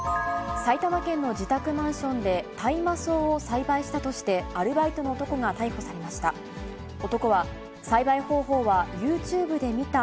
埼玉県の自宅マンションで大麻草を栽培したとして、アルバイトの男が逮捕されました。